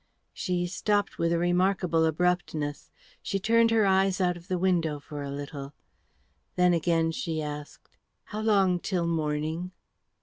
She stopped with a remarkable abruptness. She turned her eyes out of the window for a little. Then again she asked, "How long till morning?"